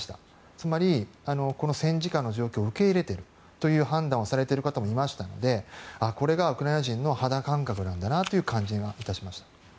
つまり、この戦時下の状況を受け入れている判断をされている方もいましたのでこれがウクライナ人の肌感覚なんだなという感じがいたしました。